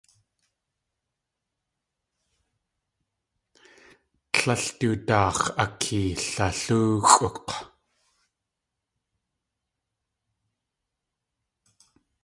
Tlél du daax̲ akeelalóoxʼuk̲!